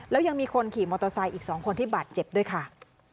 แล้วยังมีคนขี่มอเตอร์ไซค์อีก๒คนที่บาดเจ็บด้วยค่ะ